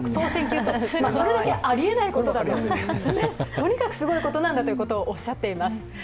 とにかくすごいことなんだとおっしゃっています。